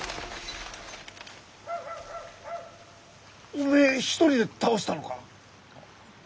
おめえ一人で倒したのか？